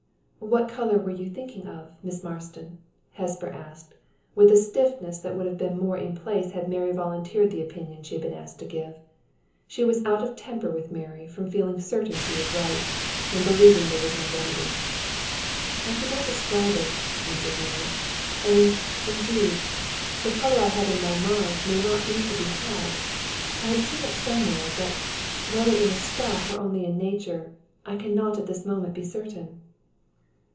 "What color were you thinking of, Miss Marston?" Hesper asked, with a stiffness that would have been more in place had Mary volunteered the opinion she had been asked to give. She was out of temper with Mary from feeling certain she was right, and believing there was no remedy. "I could not describe it," answered Mary. "And, indeed, the color I have in my mind may not be to be had. I have seen it somewhere, but, whether in a stuff or only in nature, I can not at this moment be certain."